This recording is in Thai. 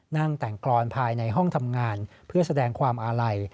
นั่งแต่งกรอนภายในห้องทำงานเพื่อแสดงความอาลัย